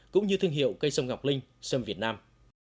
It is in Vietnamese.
cũng như thương hiệu cây sâm ngọc linh sâm việt nam